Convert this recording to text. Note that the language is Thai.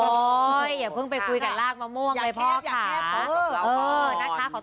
โอ้ยอย่าเพิ่งไปคุยกับรากมะม่วงเลยพ่อค่ะอย่าแคบอย่าแคบเออเออนะคะ